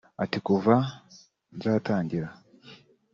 Ati "Kuva zatangira